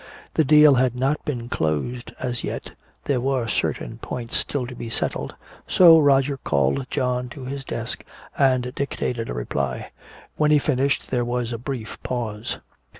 The deal had not been closed as yet, there were certain points still to be settled. So Roger called John to his desk and dictated a reply. When he finished there was a brief pause.